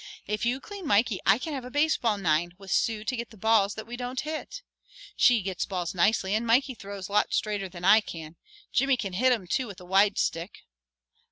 If you clean Mikey I can have a baseball nine, with Sue to get the balls that we don't hit. She gets balls nicely and Mikey throws lots straighter than I can. Jimmy can hit 'em, too, with a wide stick."